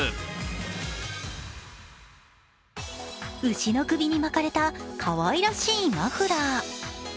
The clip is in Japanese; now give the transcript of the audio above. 牛の首に巻かれたかわいらしいマフラー。